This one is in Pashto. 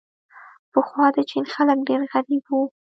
پخوا د چین خلک ډېر غریب وو.